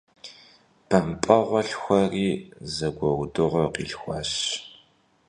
Bemp'eğue lhxueri zegueudığue khilhxuaş.